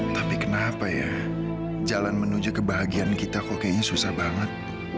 tapi kenapa ya jalan menuju kebahagiaan kita kok kayaknya susah banget